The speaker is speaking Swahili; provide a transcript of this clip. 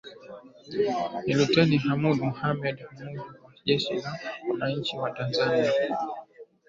Ni Luteni Hamoud Mohammed Hamoud wa Jeshi la Wananchi wa Tanzania